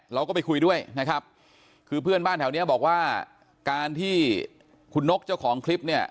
เราก็ไปคุยด้วยนะครับคือเพื่อนบ้านแถวเนี้ยบอกว่าการที่คุณนกเจ้าของคลิปเนี่ย